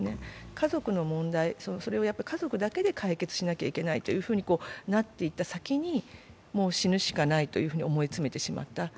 家族の問題、それを家族だけで解決しなきゃいけないとなっていった先にもう死ぬしかないと思い詰めてしまった。